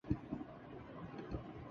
آسمان میں تارے چمک رہے ہیں